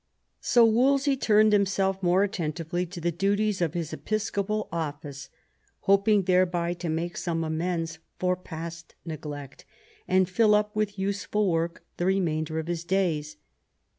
So Wolsey turned himself more attentively to the duties of his episcopal office, hoping thereby to make some amends for past neglect, and fill up with useful work the remainder of his days.